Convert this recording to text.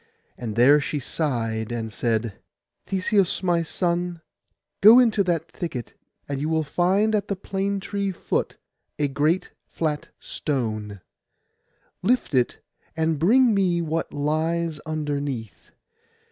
And there she sighed, and said, 'Theseus, my son, go into that thicket and you will find at the plane tree foot a great flat stone; lift it, and bring me what lies underneath.